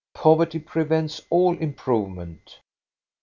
Poverty prevents all improvement."